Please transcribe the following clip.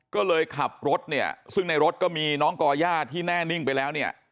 ก็เลยขับรถเนี่ยซึ่งในรถก็มีน้องก่อย่าที่แน่นิ่งไปแล้วเนี่ย